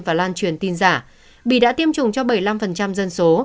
họ lan truyền tin giả bị đã tiêm chủng cho bảy mươi năm dân số